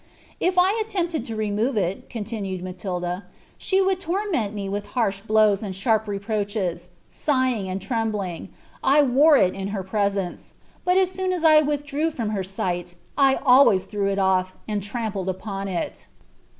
" If I attempted to remove it," eontiowtt Maiildn, '■she would tonoent me with harsh blows and sharp reproaebn: ■ighing uid trembling, I wore it in her presence; but as soon as I wil^ drew froiB her sight, I always threw it off, and trampled upon it.